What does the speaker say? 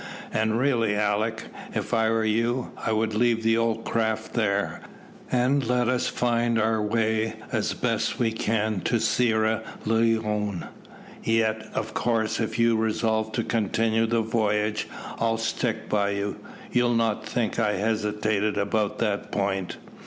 "And really, Alick, if I were you, I would leave the old craft there, and let us find our way as we best can to Sierra Leone. Yet, of course, if you resolve to continue the voyage, I'll stick by you. You'll not think I hesitated about that point."